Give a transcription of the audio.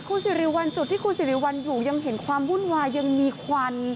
คุณสิริวัลจุดที่คุณสิริวัลอยู่ยังเห็นความวุ่นวายยังมีควัน